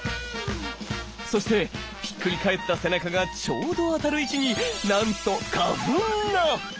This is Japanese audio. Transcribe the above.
そしてひっくり返った背中がちょうど当たる位置になんと花粉が！